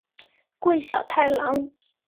桂小太郎。